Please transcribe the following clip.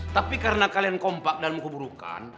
tapi karena kalian kompak dalam mengkuburukan